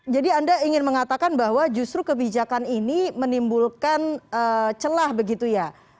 jadi anda ingin mengatakan bahwa justru kebijakan ini menimbulkan celah begitu ya